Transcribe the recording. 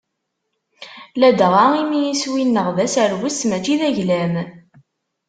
Ladɣa imi iswi-nneɣ d aserwes mačči d aglam.